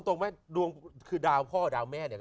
ตรงไหมดวงคือดาวพ่อดาวแม่เนี่ย